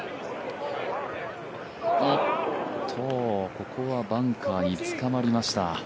ここはバンカーにつかまりました。